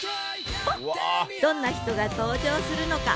どんな人が登場するのか？